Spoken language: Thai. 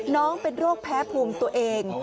น้องเป็นโรคแพ้ภูมิตัวเอง